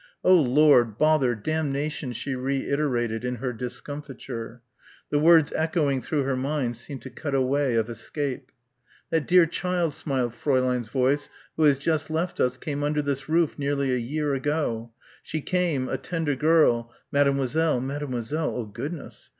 "Oh, Lord, bother, damnation," she reiterated in her discomfiture. The words echoing through her mind seemed to cut a way of escape.... "That dear child," smiled Fräulein's voice, "who has just left us, came under this roof ... nearly a year ago. "She came, a tender girl (Mademoiselle Mademoiselle, oh, goodness!)